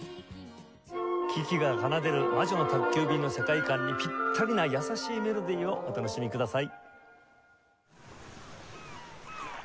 キキが奏でる『魔女の宅急便』の世界観にピッタリな優しいメロディをお楽しみください。